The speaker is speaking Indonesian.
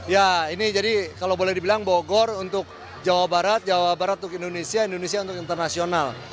ya ini jadi kalau boleh dibilang bogor untuk jawa barat jawa barat untuk indonesia indonesia untuk internasional